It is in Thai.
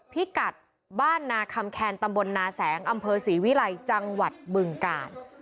พิกัดบ้านนาคำแคนตำบลนาแสงอำเภอศรีวิลัยจังหวัดบึงกาล